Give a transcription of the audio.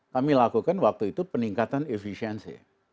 kami lakukan waktu itu peningkatan efisiensi